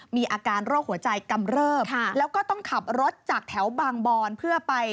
มีอาการโรคหัวใจกำเริบแล้วก็ต้องขับรถจากแถวบางบอนเพื่อไป